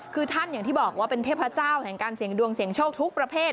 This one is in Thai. คือท่านอย่างที่บอกว่าเป็นเทพเจ้าแห่งการเสี่ยงดวงเสี่ยงโชคทุกประเภท